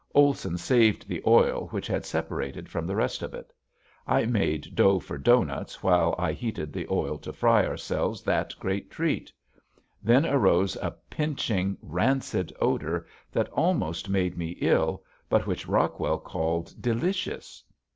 Olson saved the oil which had separated from the rest of it. I made dough for doughnuts while I heated the oil to fry ourselves that great treat. Then arose a pinching, rancid odor that almost made me ill but which Rockwell called delicious.